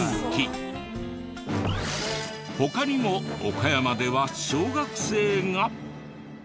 他にも岡山では小学生が。